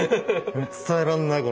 伝えらんない